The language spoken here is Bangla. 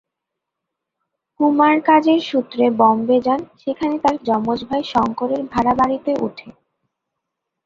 কুমার কাজের সূত্রে বোম্বে যান, সেখানে তার যমজ ভাই শঙ্করের ভাড়া বাড়িতে ওঠে।